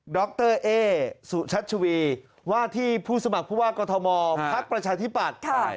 ดรเอสุชัชวีว่าที่ผู้สมัครผู้ว่ากฐมพธิปัตย์